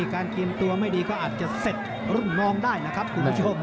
การเตรียมตัวไม่ดีก็อาจจะเสร็จรุ่นน้องได้นะครับคุณผู้ชม